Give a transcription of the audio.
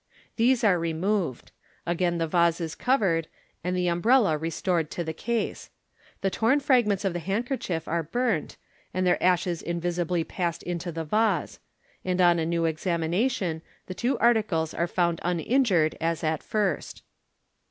These are removed, Again the vase is covered, and the umbrella restored to the case. The torn fragments of the handkerchief are burnt, and their ashes invisibly passed into the vase j and on a new examination the two articles are found uninjured as at first.